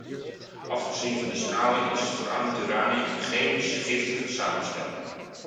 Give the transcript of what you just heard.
Afgezien van de straling, is verarmd uranium een chemisch giftige samenstelling.